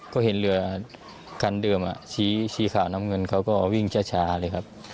ก็เห็นเรือคันเดิมสีขาวน้ำเงินเขาก็วิ่งช้าเลยครับ